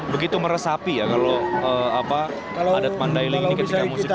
begitu meresapi ya kalau adat mandailing ini ketika musik itu